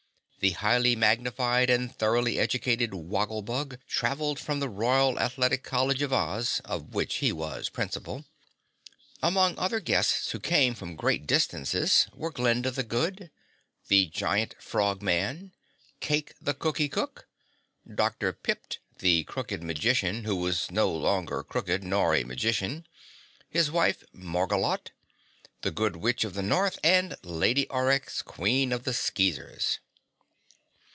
The Highly Magnified and Thoroughly Educated Woggle Bug traveled from the Royal Athletic College of Oz, of which he was Principal. Among other guests who came from great distances were Glinda the Good, the Giant Frogman, Cayke the Cookie Cook, Dr. Pipt the Crooked Magician who was no longer crooked nor a magician, his wife Margolotte, the Good Witch of the North and Lady Aurex Queen of the Skeezers.